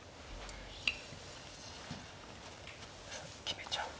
決めちゃう。